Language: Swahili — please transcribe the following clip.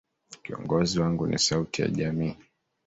Kiongozi wangu ni sauti ya jamii.